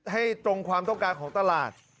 ให้ตรงความต้องการของตลาด